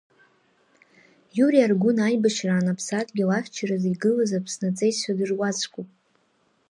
Иури Аргәын аибашьраан Аԥсадгьыл ахьчаразы игылаз Аԥсны аҵеицәа дыруаӡәкуп.